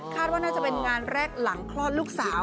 ว่าน่าจะเป็นงานแรกหลังคลอดลูกสาว